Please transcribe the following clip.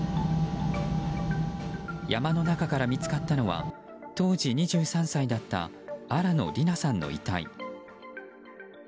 山の中から見つかったのは当時２３歳だった新野りなさんの遺体。